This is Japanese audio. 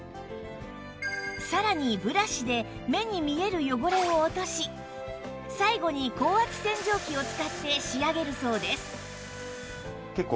さらにブラシで目に見える汚れを落とし最後に高圧洗浄機を使って仕上げるそうです